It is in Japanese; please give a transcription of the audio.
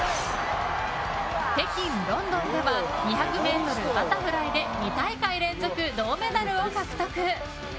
北京、ロンドンでは２００ｍバタフライで２大会連続、銅メダルを獲得。